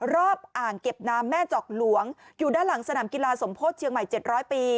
อ่างเก็บน้ำแม่จอกหลวงอยู่ด้านหลังสนามกีฬาสมโพธิเชียงใหม่๗๐๐ปี